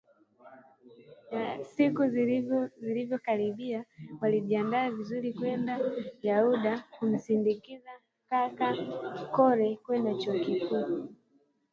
Siku zilivyokaribia walijiandaa vizuri kwenda Yaounde kumsindikiza kaka Kole kwenda chuo kikuu